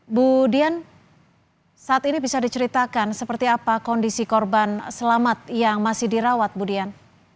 bu dian saat ini bisa diceritakan seperti apa kondisi korban selamat yang masih dirawat bu dian